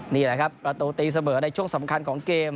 นี่แหละครับประตูตีเสมอในช่วงสำคัญของเกม